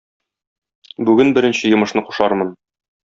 Бүген беренче йомышны кушармын.